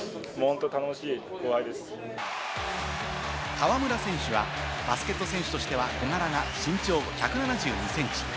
河村選手はバスケット選手としては小柄な身長１７２センチ。